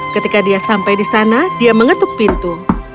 ketika dia sampai di sana dia mengetuk pintu